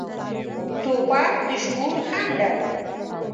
توپک د شعور خنډ دی.